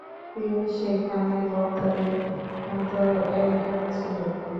তিনি সেখানে বক্তাদের মধ্য একজন ছিলেন।